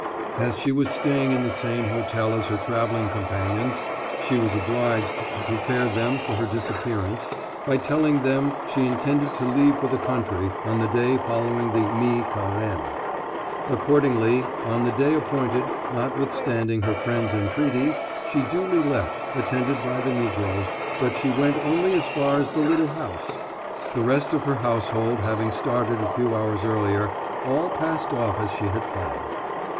As she was staying in the same hotel as her traveling companions, she was obliged to prepare them for her disappearance by telling them she intended to leave for the country on the day following the Mi Carême. Accordingly, on the day appointed, notwithstanding her friends' entreaties, she duly left, attended by the Negro, but she went only as far as the little house. The rest of her household having started a few hours earlier, all passed off as she had planned.